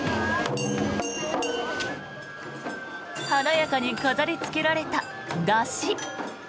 華やかに飾りつけられた山車。